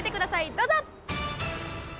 どうぞ！